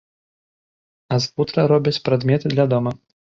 А з футра робяць прадметы для дома.